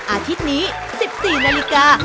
อาทิตย์นี้๑๔นาฬิกา